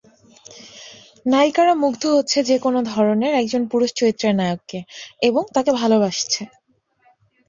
নায়িকারা মুগ্ধ হচ্ছে যেকোনো ধরনের একজন পুরুষ চরিত্রের নায়ককে এবং তাকে ভালোবাসছে।